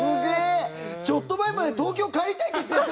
ちょっと前まで「東京帰りたい」って言ってた人。